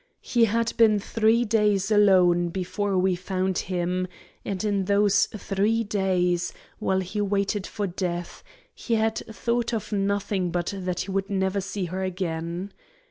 He had been three days alone before we found him, and in those three days, while he waited for death, he had thought of nothing but that he would never see her again.